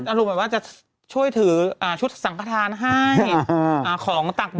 เขาอรุณแบบว่าจะช่วยถืออ่าชุดสังฆราณให้อ่าของตักบาท